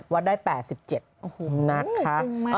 วัดได้๘๗นะคะ